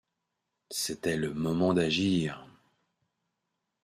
C’était le moment d’agir.